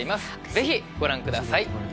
ぜひご覧ください。